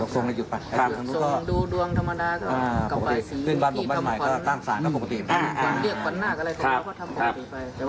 อ๋อพี่อย่าแต่งตัว